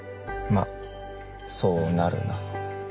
まあそうなるな。